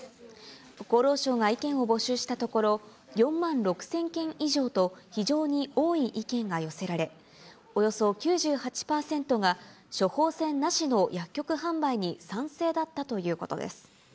厚労省が意見を募集したところ、４万６０００件以上と非常に多い意見が寄せられ、およそ９８％が処方箋なしの薬局販売に賛成だったということです。